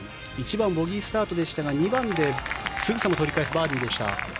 １番、ボギースタートでしたが２番ですぐさま取り返すバーディーでした。